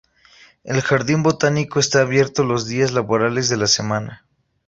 El jardín botánico está abierto los días laborables de la semana.